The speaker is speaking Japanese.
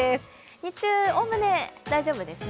日中、おおむね大丈夫ですね